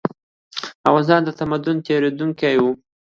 افغانستان د تمدنونو تېرېدونکی و.